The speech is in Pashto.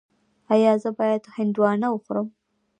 ایا زه باید هندواڼه وخورم؟